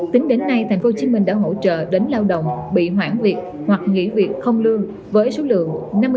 tính đến nay tp hcm đã hỗ trợ đến lao động bị hoãn việc hoặc nghỉ việc không lương với số lượng năm mươi hai